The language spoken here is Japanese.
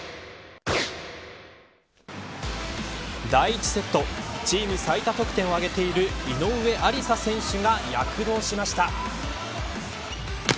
第１セットチーム最多得点を挙げている井上愛里沙選手が躍動しました。